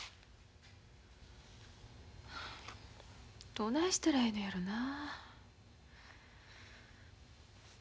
どないしたらええのやろなあ。